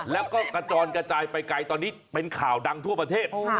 แล้วก็กระจอนกระจายไปไกลตอนนี้เป็นข่าวดังทั่วประเทศ